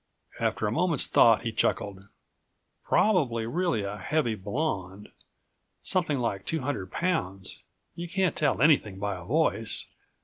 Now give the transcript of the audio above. After a moment's thought he chuckled: "Probably really a heavy blonde; something like two hundred pounds. You can't tell anything by a voice.